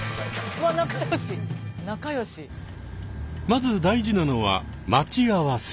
まず大事なのは待ち合わせ。